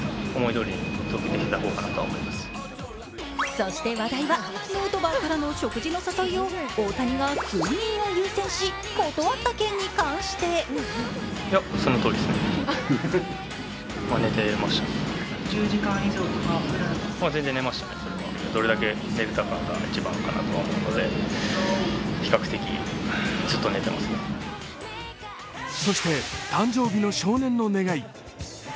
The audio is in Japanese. そして話題は、ヌートバーからの食事の誘いを大谷が睡眠を優先し、断った件に関して叫びたくなる緑茶ってなんだ？